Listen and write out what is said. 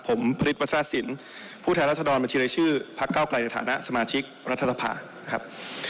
ผมผลิตวัชฌาสินผู้แทนรัศดรมชีวิตชื่อพักเก้าไกลในฐานะสมาชิกวันรัฐสภาครับ